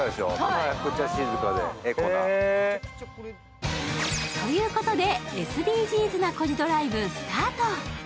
めっちゃ静かでエコな。ということでＳＤＧｓな「コジドライブ」スタート。